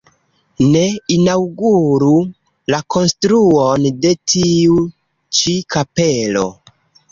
Ne inaŭguru la konstruon de tiu ĉi kapelo!